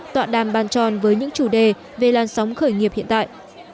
tọa đàm bàn tròn với những chủ đề về làn sóng khởi nghiệp hiện tại